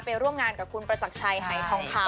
ร่วมงานกับคุณประจักรชัยหายทองคำ